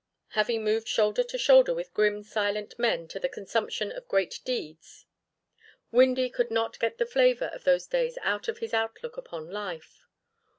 Having moved shoulder to shoulder with grim, silent men to the consummation of great deeds Windy could not get the flavour of those days out of his outlook upon life.